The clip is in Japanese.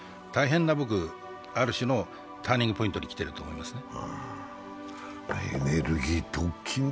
大変なある種のターニングポイントに来てると思います。